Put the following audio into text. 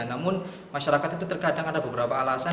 namun masyarakat itu terkadang ada beberapa alasan